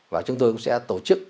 và chúng tôi cũng sẽ tổ chức